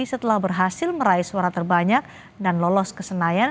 setelah berhasil meraih suara terbanyak dan lolos ke senayan